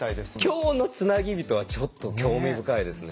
今日の「つなぎびと」はちょっと興味深いですね。